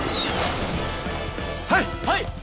はい！